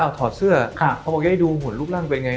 เขาบอกจะได้ดูหลุมรูปล่างเป็นไง